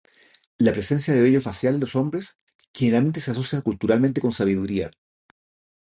La presencia de vello facial en los hombres generalmente se asocia culturalmente con sabiduría.